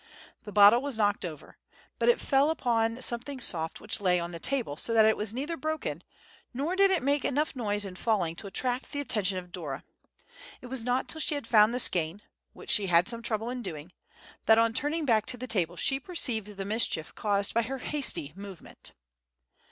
The bottle was knocked over, but it fell upon something soft which lay on the table, so that it was neither broken, nor did it make enough noise in falling to attract the attention of Dora. It was not till she had found the skein (which she had some trouble in doing), that on turning back to the table she perceived the mischief caused by her hasty movement.